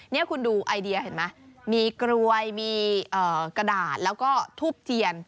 นี่คุณดูไอเดียเห็นไหมมีกลวยมีกระดาษแล้วก็ทูบเทียน